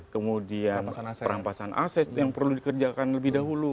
kemudian perampasan aset yang perlu dikerjakan lebih dahulu